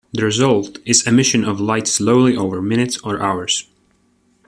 The result is emission of light slowly over minutes or hours.